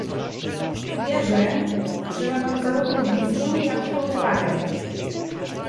Wierzę, że ma pan zarówno wizję, jak i odwagę